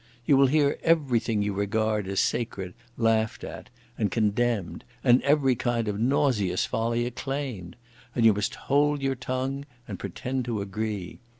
You will hear everything you regard as sacred laughed at and condemned, and every kind of nauseous folly acclaimed, and you must hold your tongue and pretend to agree.